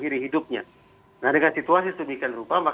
lalu pihak yang menutup akses tersebut memutuskan untuk juga mengajak